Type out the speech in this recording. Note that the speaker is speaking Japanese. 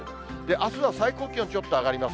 あすは最高気温ちょっと上がります。